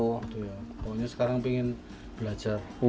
pokoknya sekarang ingin belajar